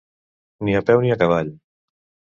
Ni a peu ni a cavall.